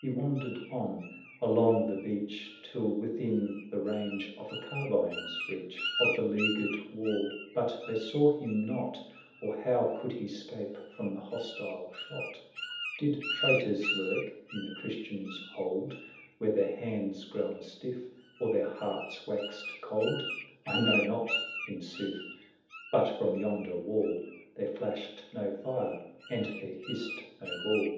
He wandered on, along the beach, 395 Till within the range of a carbine's reach Of the leaguered wall ; but they saw him not, Or how could he 'scape from the hostile shot ? Did traitors lurk in the Christians' hold ? Were their hands grown stiff, or their hearts waxed cold? 400 I know not, in sooth; but from yonder wall 'Iliere flashed no fire, and there hissed no ball.